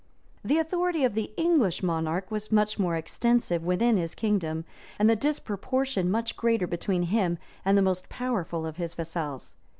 The authority of the English monarch was much more extensive within his kingdom, and the disproportion much greater between him and the most powerful of his vassals.